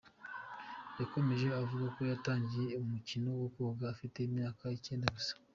Yakomeje avugako yatangiye umukino wo koga afite imyaka icyenda gusa.